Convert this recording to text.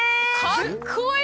かっこいい！